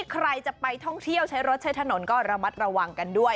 ใครจะไปท่องเที่ยวใช้รถใช้ถนนก็ระมัดระวังกันด้วย